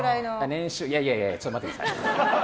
年収はいやいやちょっと待ってください。